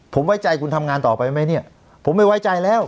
ผมไว้ใจคุณทำงานต่อไปไหมเนี่ยผมไม่ไว้ใจแล้ว